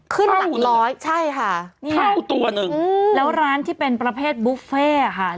ขึ้นหลังร้อยใช่ค่ะเท่าตัวนึงอืมแล้วร้านที่เป็นประเภทบุฟเฟ่อ่ะค่ะ